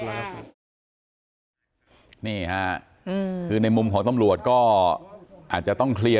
นี่ฮะคือในมุมของตำรวจก็อาจจะต้องเคลียร์